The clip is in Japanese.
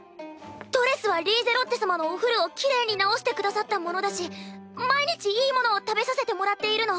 ドレスはリーゼロッテ様のお古をきれいに直してくださったものだし毎日いいものを食べさせてもらっているの。